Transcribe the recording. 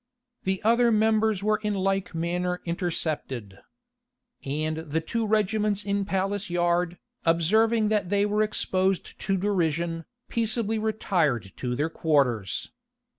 The other members were in like manner intercepted. And the two regiments in Palace yard, observing that they were exposed to derision, peaceably retired to their quarters.